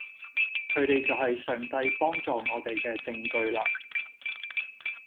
佢哋就係上帝幫助我哋嘅證據嘞